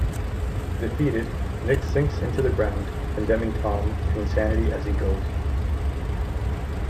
Defeated, Nick sinks into the ground, condemning Tom to insanity as he goes.